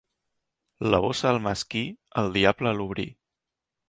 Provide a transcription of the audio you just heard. La bossa del mesquí, el diable l'obrí.